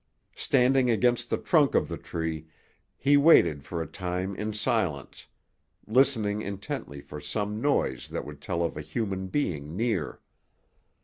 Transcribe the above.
Standing against the trunk of the tree, he waited for a time in silence, listening intently for some noise that would tell of a human being near.